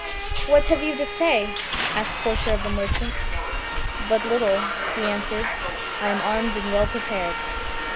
"What have you to say ?" asked Portia of the merchant. "But little," he answered ; "I am armed and well prepared."